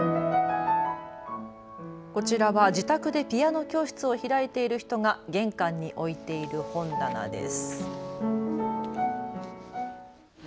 こちらは自宅でピアノ教室を開いている人が玄関に置いている本棚です。